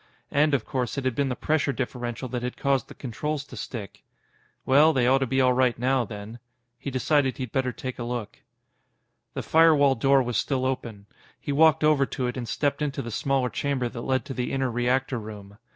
And, of course, it had been the pressure differential that had caused the controls to stick. Well, they ought to be all right now, then. He decided he'd better take a look. The firewall door was still open. He walked over to it and stepped into the small chamber that led to the inner reactor room.